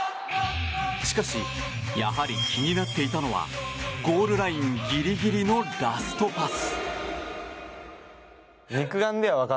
しかしやはり気になっていたのはゴールラインギリギリのラストパス。